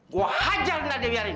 gua hajarin aja biarin